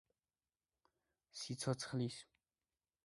სიცოცხლის ბოლომდე იგი ოჯახთან ერთად განდევნაში იმყოფებოდა.